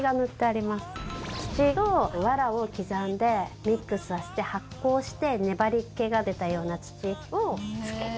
土と藁を刻んでミックスさせて発酵して粘り気が出たような土を付けて。